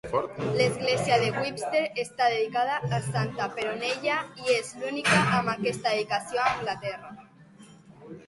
L'església de Whepstead està dedicada a Santa Peronella, i és la única amb aquesta dedicació a Anglaterra.